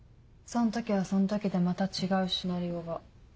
その時はその時でまた違うシナリオが。